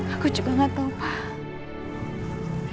aku juga gak tau pak